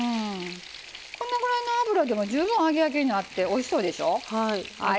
このぐらいの油でも十分、揚げ焼きでおいしそうでしょう。